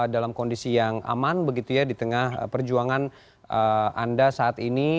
dalam kondisi yang aman begitu ya di tengah perjuangan anda saat ini